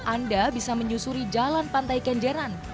anda bisa menyusuri jalan pantai kenjeran